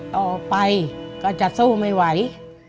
ต่อไปก็จะสู้ไม่ไหว